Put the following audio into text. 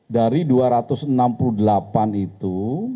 dari dua ratus enam puluh delapan itu